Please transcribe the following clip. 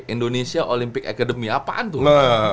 indonesia olympic academy apaan tuh